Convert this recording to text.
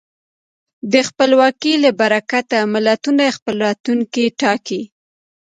د خپلواکۍ له برکته ملتونه خپل راتلونکی ټاکي.